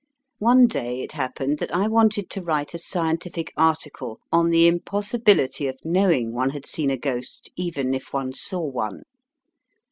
One day it happened that I wanted to write a scientific article on the impossibility of knowing one had seen a ghost, even if one saw one.